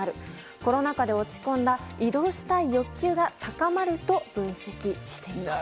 コロナ禍で落ち込んだ移動したい欲求が高まると分析しています。